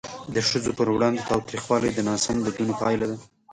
د ښځو پر وړاندې تاوتریخوالی د ناسم دودونو پایله ده.